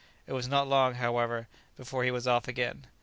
It was not long, however, before he was off again.